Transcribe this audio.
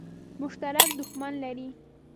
مشترک دښمن لري.